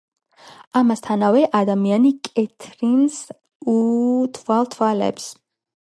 ამასთანავე ადამი კეთრინს უთვალთვალებს.